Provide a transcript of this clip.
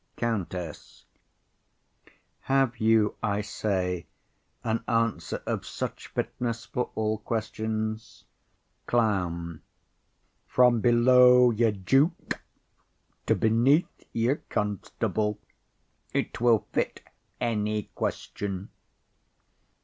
COUNTESS. Have you, I say, an answer of such fitness for all questions? CLOWN. From below your duke to beneath your constable, it will fit any question.